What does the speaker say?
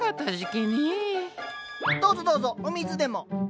どうぞどうぞお水でも。